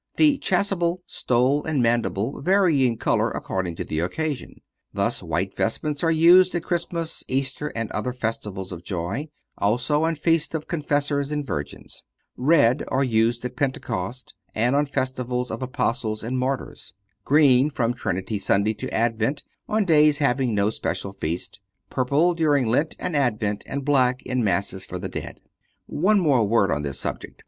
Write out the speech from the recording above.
The chasuble, stole and maniple vary in color according to the occasion. Thus, white vestments are used at Christmas, Easter and other festivals of joy, also on feasts of Confessors and Virgins; red are used at Pentecost and on festivals of Apostles and Martyrs; green from Trinity Sunday to Advent, on days having no special feast; purple during Lent and Advent, and black in Masses for the dead. One more word on this subject.